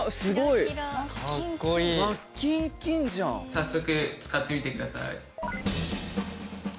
早速使ってみて下さい。